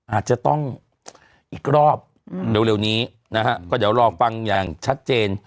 อาจจะต้องอีกรอบเร็วนี้นะฮะก็เดี๋ยวรอฟังอย่างชัดเจน